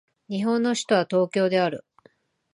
日本の首都は東京である